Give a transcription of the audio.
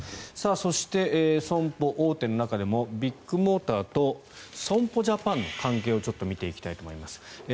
そして、損保大手の中でもビッグモーターと損保ジャパンの関係をちょっと見ていきたいと思います。